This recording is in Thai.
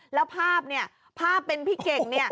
แล้วภาพนี่ภาพเป็นพี่เก่ง